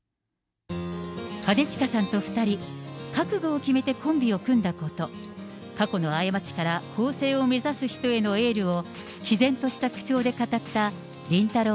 兼近さんと２人、覚悟を決めてコンビを組んだこと、過去の過ちから更生を目指す人へのエールを、きぜんとした口調で語った、りんたろー。